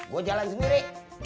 gua jalan sendiri